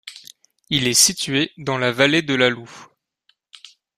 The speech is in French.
Il est situé dans la vallée de la Looe.